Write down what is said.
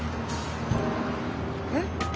・えっ？